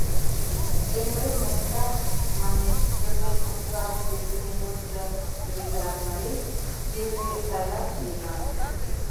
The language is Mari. — Эмлен мошта, — манеш пӧртӧнчыл кӱварышке шуйнен вочшо рвезырак марий, шкеже сайрак чиеман.